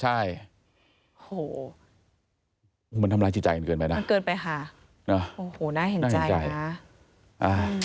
โหมันทำร้ายจิตใจเกินไปนะมันเกินไปค่ะโหน่าเห็นใจนะ